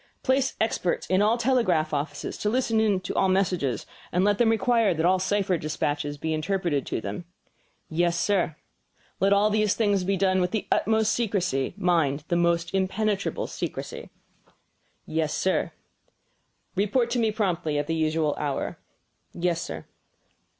"Place experts in all the telegraph offices to listen to all messages; and let them require that all cipher despatches be interpreted to them." "Yes, sir." "Let all these things be done with the utmost's secrecy mind, the most impenetrable secrecy." "Yes, sir." "Report to me promptly at the usual hour." "Yes, Sir."